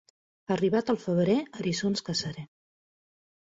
Arribat el febrer, eriçons caçaré.